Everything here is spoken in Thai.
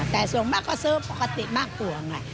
แต่ส่วนมากก็ซื้อปกติมากกว่าไง